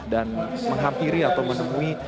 dan menghampiri atau menemui